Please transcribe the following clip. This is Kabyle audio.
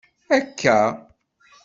Akka!